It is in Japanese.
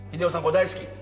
大好き。